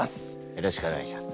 よろしくお願いします。